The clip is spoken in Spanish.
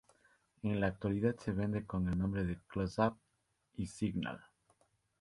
En la actualidad se vende con el nombre de Close-Up y Signal.